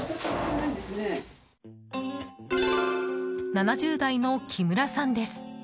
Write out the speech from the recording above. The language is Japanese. ７０代の木村さんです。